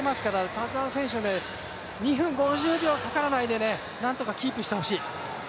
田澤選手、２分５０秒かからないでなんとかキープしてほしい。